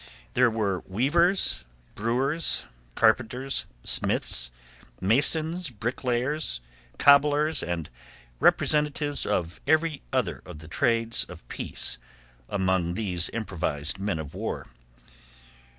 There were weavers, brewers, carpenters, smiths, masons, bricklayers, cobblers, and representatives of every other of the trades of peace among these improvised men of war.